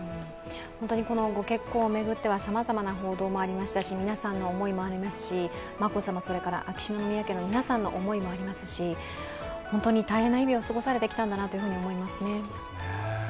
このご結婚を巡ってはさまざまな報道もありましたし皆さんの思いもありますし、眞子さま、秋篠宮家皆様の思いもありますし本当に大変な日々を過ごされてきたんだなと思いますね。